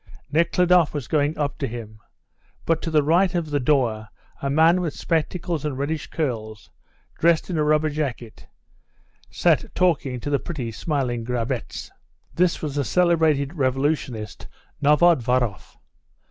Nekhludoff was going up to him, but to the right of the door a man with spectacles and reddish curls, dressed in a rubber jacket, sat talking to the pretty, smiling Grabetz. This was the celebrated revolutionist Novodvoroff.